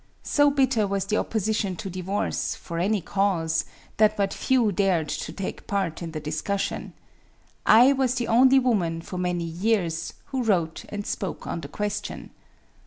So bitter was the opposition to divorce, for any cause, that but few dared to take part in the discussion. I was the only woman, for many years, who wrote and spoke on the question.